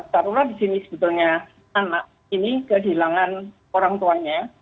taruhlah di sini sebetulnya anak ini kehilangan orang tuanya